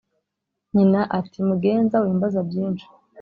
Nyina ati"mugenza wimbaza byinshi